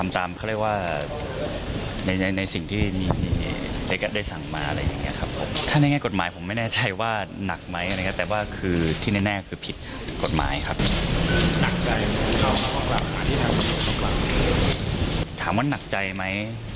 ถามว่านักใจมั้ย